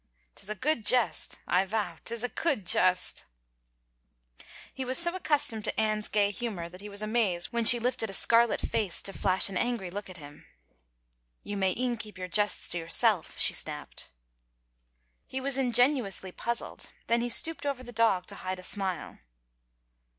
Tis a good jest — I vow, 'tis a good jest !" He was so accustomed to Anne's gay humor that he was amazed when she lifted a scarlet face to flash an angry look at him. "You may e'en keep your jests to yourself," she snapped. He was ingenuously puzzled, then he stooped over the dog to hide a smile.